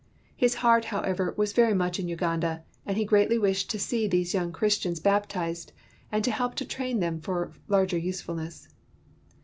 His heart, however, was very much in Uganda, and he greatly wished to see these young Chris tians baptized and to help to train them for larger usefulness.